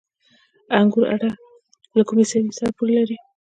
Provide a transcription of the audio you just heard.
انګور اډه له کومې سیمې سره پوله لري؟